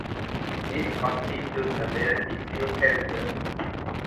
This constitutes a magnetic field sensor.